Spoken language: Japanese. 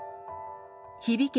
「響け！